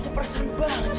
perasaan banget sih